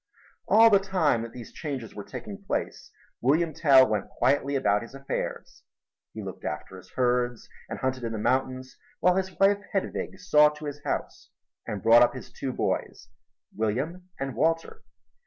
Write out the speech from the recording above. All the time that these changes were taking place, William Tell went quietly about his affairs. He looked after his herds and hunted in the mountains, while his wife, Hedwig, saw to his house and brought up his two boys, William and Walter.